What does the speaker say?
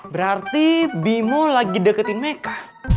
berarti bimo lagi deketin mereka